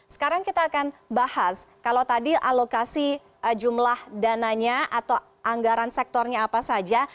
sekarang kita akan bahas kalau tadi alokasi jumlah dananya atau anggaran sektornya apa saja